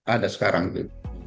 ada sekarang itu